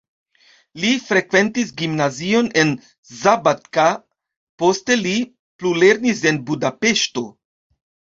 Li frekventis gimnazion en Szabadka, poste li plulernis en Budapeŝto.